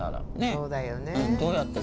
そうだよね。